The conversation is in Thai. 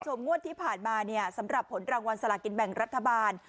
งวดที่ผ่านมาเนี่ยสำหรับผลรางวัลสลากินแบ่งรัฐบาล